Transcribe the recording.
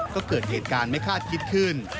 ก็เกิดเหตุการณ์ไม่คาดคิดขึ้น